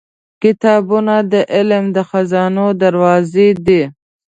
• کتابونه د علم د خزانو دروازې دي.